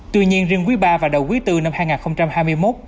tuy nhiên riêng quý ba và đầu quý iv năm hai nghìn hai mươi một